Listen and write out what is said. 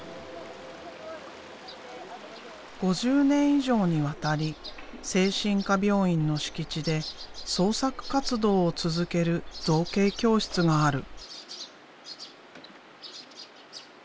５０年以上にわたり精神科病院の敷地で創作活動を続ける造形教室がある。